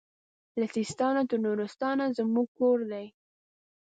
له سیستان تر نورستانه زموږ کور دی